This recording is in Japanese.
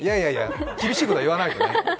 厳しいことは言わないとね。